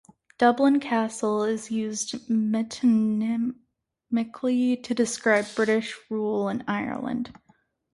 "Dublin Castle" is used metonymically to describe British rule in Ireland.